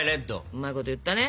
うまいこと言ったね。